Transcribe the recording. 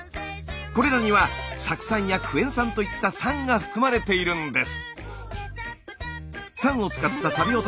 これらには酢酸やクエン酸といった酸が含まれているんです。